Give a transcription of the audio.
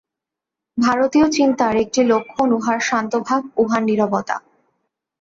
ভারতীয় চিন্তার একটি লক্ষণ উহার শান্তভাব, উহার নীরবতা।